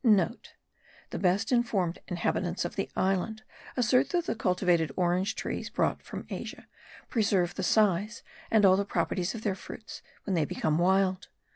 (* The best informed inhabitants of the island assert that the cultivated orange trees brought from Asia preserve the size and all the properties of their fruits when they become wild.